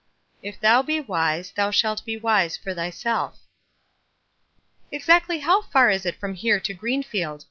If thou be wise, thou shalt be wise for thyself." "Exactly how far is it from here to Green field?"